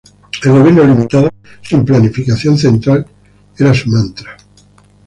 El gobierno limitado, sin planificación central, era su mantra.